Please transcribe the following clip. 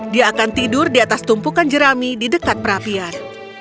dia akan tidur di atas tumpukan jerami di dekat perapian